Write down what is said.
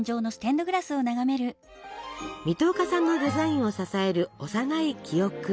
水戸岡さんのデザインを支える幼い記憶。